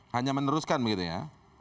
hanya meneruskan begitu ya